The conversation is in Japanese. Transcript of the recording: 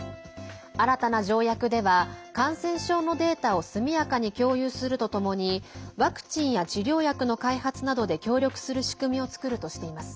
新たな条約では感染症のデータを速やかに共有するとともにワクチンや治療薬の開発などで協力する仕組みを作るとしています。